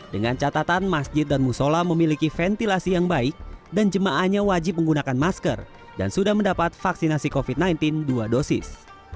dengan catatan masjid dan musola memiliki ventilasi yang baik dan jemaahnya wajib menggunakan masker dan sudah mendapat vaksinasi covid sembilan belas dua dosis